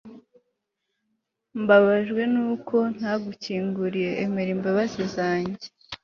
mbabajwe nuko ntagukinguriye. emera imbabazi zanjye